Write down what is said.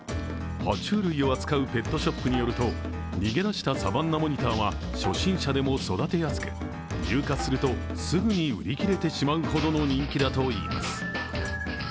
は虫類を扱うペットショップによると逃げ出したサバンナモニターは初心者でも育てやすく入荷するとすぐに売り切れてしまうほどの人気だといいます。